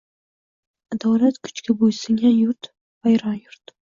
Adolat Kuchga bo’sungan yurt-vayron yurt.